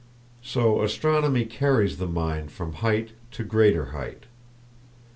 So astronomy carries the mind from height to greater height.